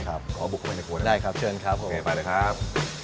ก็บุกเข้าไปในกลัวนะครับโอเคไปได้ครับได้ครับเชิญครับ